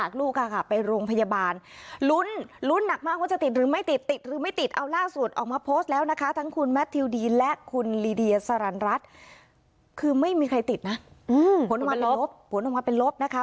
คือไม่มีใครติดนะผลละวันเป็นลบผลละวันเป็นลบนะคะ